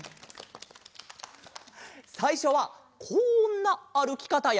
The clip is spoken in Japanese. さいしょはこんなあるきかたや。